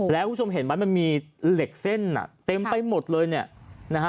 แล้วคุณผู้ชมเห็นไหมมันมีเหล็กเส้นอ่ะเต็มไปหมดเลยเนี่ยนะฮะ